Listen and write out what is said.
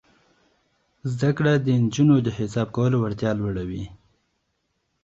زده کړه د نجونو د حساب کولو وړتیا لوړوي.